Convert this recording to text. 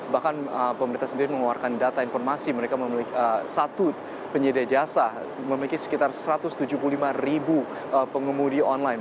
bahkan pemerintah sendiri mengeluarkan data informasi mereka memiliki satu penyedia jasa memiliki sekitar satu ratus tujuh puluh lima ribu pengemudi online